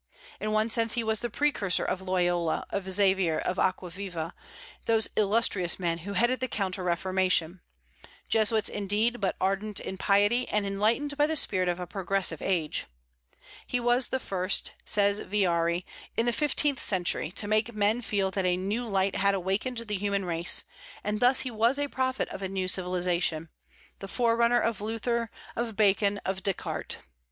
In one sense he was the precursor of Loyola, of Xavier, and of Aquaviva, those illustrious men who headed the counter reformation; Jesuits, indeed, but ardent in piety, and enlightened by the spirit of a progressive age. "He was the first," says Villari, "in the fifteenth century, to make men feel that a new light had awakened the human race; and thus he was a prophet of a new civilization, the forerunner of Luther, of Bacon, of Descartes.